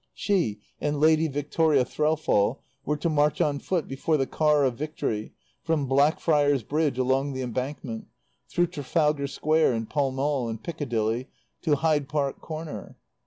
She and Lady Victoria Threlfall were to march on foot before the Car of Victory from Blackfriars Bridge along the Embankment, through Trafalgar Square and Pall Mall and Piccadilly to Hyde Park Corner.